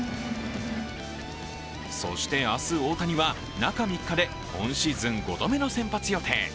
そして明日、大谷は中３日で今シーズン５度目の先発予定。